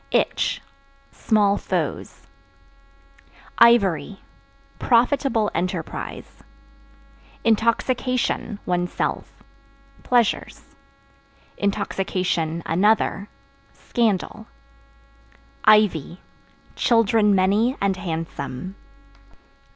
Itch Small foes. Ivory Profitable enterprise. Intoxication (One's self) pleasures; (another) scandal. Ivy Children many and handsome.